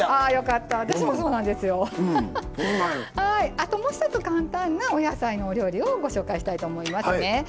あともう一つ簡単なお野菜のお料理をご紹介したいと思いますね。